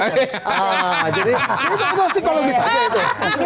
akhirnya itu agak psikologis aja itu